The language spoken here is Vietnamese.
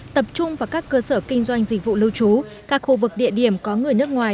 tập trung vào các cơ sở kinh doanh dịch vụ lưu trú các khu vực địa điểm có người nước ngoài